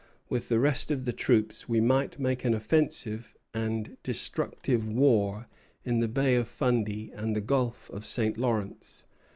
With the rest of the troops we might make an offensive and destructive war in the Bay of Fundy and the Gulf of St. Lawrence.